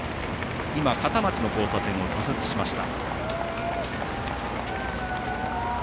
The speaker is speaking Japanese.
片町の交差点を左折しました。